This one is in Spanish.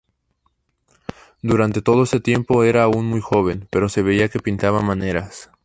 Durante todo este tiempo era aún muy joven, pero se veía que pintaba maneras.